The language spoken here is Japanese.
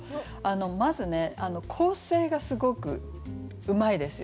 まずね構成がすごくうまいですよね。